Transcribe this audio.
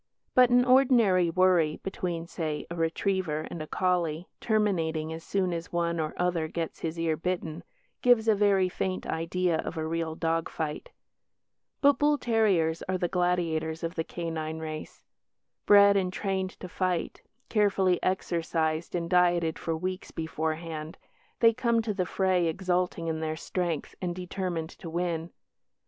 But an ordinary worry between (say) a retriever and a collie, terminating as soon as one or other gets his ear bitten, gives a very faint idea of a real dog fight. But bull terriers are the gladiators of the canine race. Bred and trained to fight, carefully exercised and dieted for weeks beforehand, they come to the fray exulting in their strength and determined to win.